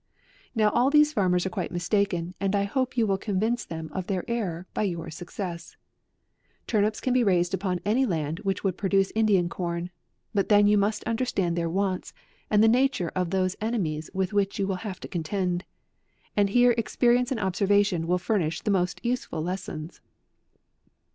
Now all these farmers are quite mistaken, and I hope you will convince them of their error by your success. AUGUST. 167 Turnips can be raised upon any land which would produce Indian corn ; but then you must understand their wants, and the nature of those enemies with which you will have to contend. And here experience and ob servation will furnish the most useful les sons.